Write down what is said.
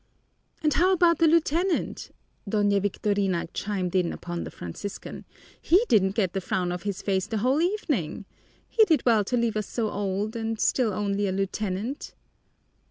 "And how about the lieutenant?" Doña Victorina chimed in upon the Franciscan, "he didn't get the frown off his face the whole evening. He did well to leave us so old and still only a lieutenant!"